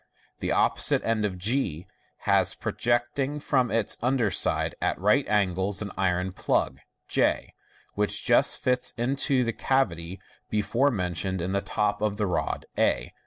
The opposite end of g has projecting from its under side, at right angles, an iron plug j, which just fits into the cavity before mentioned in the top of the rod a.